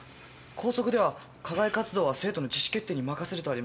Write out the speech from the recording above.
校則では課外活動は生徒の自主決定に任せるとあります。